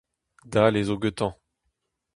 Dale zo gantañ.